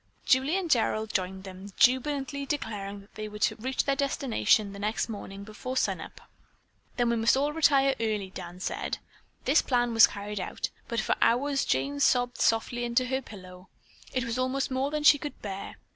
Julie and Gerald joined them, jubilantly declaring that they were to reach their destination the next morning before sun up. "Then we must all retire early," Dan said. This plan was carried out, but for hours Jane sobbed softly into her pillow. It was almost more than she could bear.